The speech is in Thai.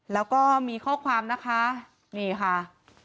แล้วก็มีข้อความนะคะนี่ค่ะ